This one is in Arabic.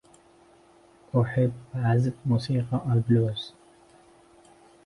أحبّ عزف موسيقى البلوز.